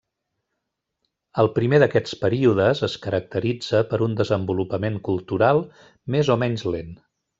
El primer d'aquests períodes es caracteritza per un desenvolupament cultural més o menys lent.